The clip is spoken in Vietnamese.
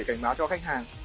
để cảnh báo cho khách hàng